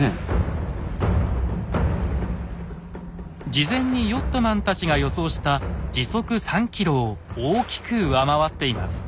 事前にヨットマンたちが予想した時速３ｋｍを大きく上回っています。